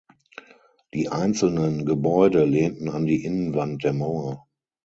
Die einzelnen Gebäude lehnten an die Innenwand der Mauer.